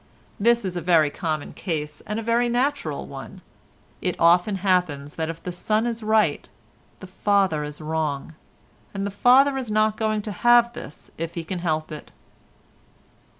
This is a very common case and a very natural one. It often happens that if the son is right, the father is wrong, and the father is not going to have this if he can help it.